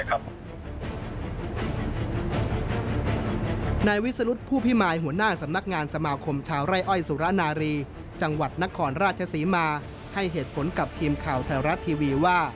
ครับในวิธีลุภว์ภิมัยหัวหน้าสำนักงานสมาคมชาวไล่อ้อยสุรนาฬี